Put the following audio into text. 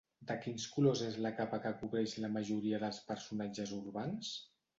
De quins colors és la capa que cobreix la majoria dels personatges urbans?